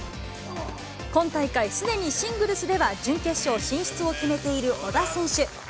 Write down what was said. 今大会、すでにシングルスでは準決勝進出を決めている小田選手。